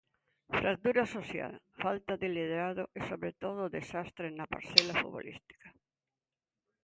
Fractura social, falta de liderado e sobre todo desastre na parcela futbolística.